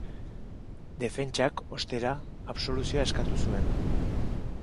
Defentsak, ostera, absoluzioa eskatu zuen.